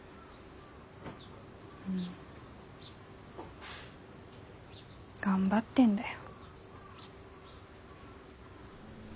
うん。頑張ってんだよ。